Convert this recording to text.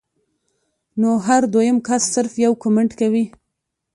نو هر دويم کس صرف يو کمنټ کوي